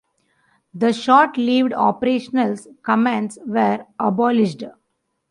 The short-lived operational commands were abolished.